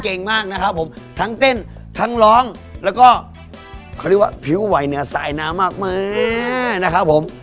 เก่งมากนะครับผมทั้งเต้นทั้งร้องแล้วก็เขาเรียกว่าผิวไหวเหนือสายน้ำมากมากนะครับผม